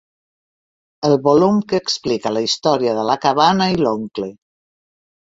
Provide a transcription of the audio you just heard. El volum que explica la història de la cabana i l'oncle.